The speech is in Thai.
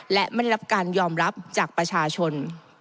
และไม่ได้รับการยอมรับจากประชาชน